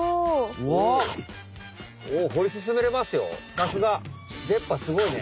さすが。でっ歯すごいね。